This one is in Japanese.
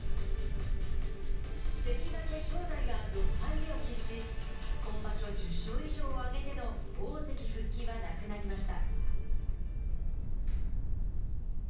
関脇・正代は６敗目を喫し今場所１０勝以上を挙げての大関復帰はなくなりました。